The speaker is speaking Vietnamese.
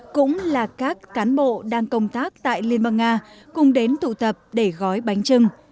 cũng là các cán bộ đang công tác tại liên bang nga cùng đến tụ tập để gói bánh trưng